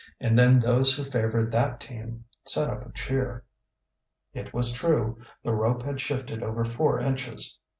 And then those who favored that team set up a cheer. It was true, the rope had shifted over four inches.